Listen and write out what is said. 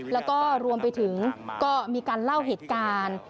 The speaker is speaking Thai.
แล้วก็รวมไปถึงก็มีการเล่าเหตุการณ์